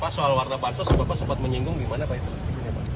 pak soal warna bansos bapak sempat menyinggung gimana pak itu